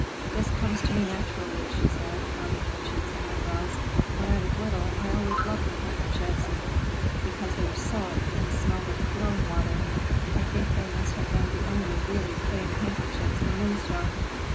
"This comes to me naturally," she said, rubbing her cheeks and eyebrows. "When I was little I always loved your handkerchiefs because they were silk and smelled of Cologne water. I think they must have been the only really clean handkerchiefs in Moonstone.